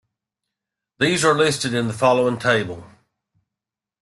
These are listed in the following table.